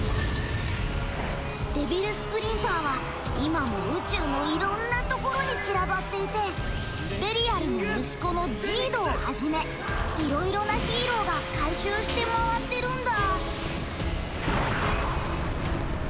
デビルスプリンターは今も宇宙のいろんなところに散らばっていてベリアルの息子のジードをはじめいろいろなヒーローが回収して回ってるんだ。